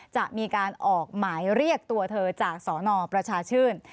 จะมีการออกหมายเรียกตัวเธอจากสนประชาชื่น